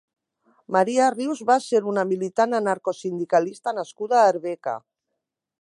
Maria Rius va ser una militant anarcosindicalista nascuda a Arbeca.